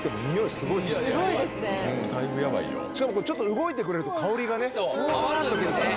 しかもこれちょっと動いてくれると香りがねそう回るんすよね